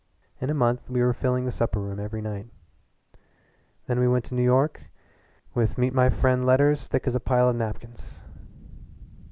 In a month we were filling the supper room every night. Then we went to New York with meet my friend letters thick as a pile of napkins.